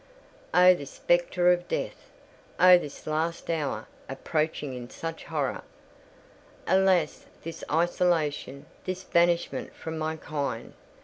Oh, this spectre of death! Oh, this last hour, approaching in such horror! Alas, this isolation—this banishment from my kind!